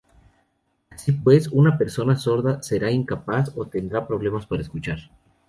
Así pues, una persona sorda será incapaz o tendrá problemas para escuchar.